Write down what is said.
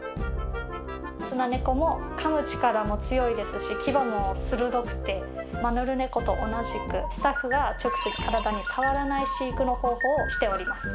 スナネコもかむ力も強いですし牙も鋭くてマヌルネコと同じくスタッフが直接体に触らない飼育の方法をしております。